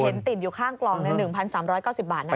เห็นติดอยู่ข้างกล่อง๑๓๙๐บาทนะ